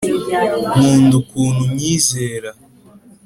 nkunda ukuntu unyizera